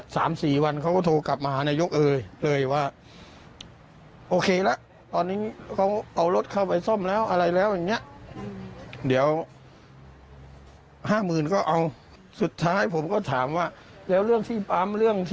ก็บอกเขาไม่ได้แจ้งความ